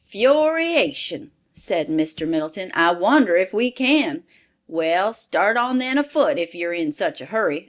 "Fury ation," said Mr. Middleton, "I wonder if we can. Well, start on then afoot, if you're in such a hurry.